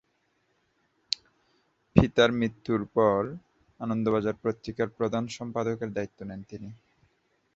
পিতার মৃত্যুর পর আনন্দবাজার পত্রিকার প্রধান সম্পাদকের দায়িত্ব নেন তিনি।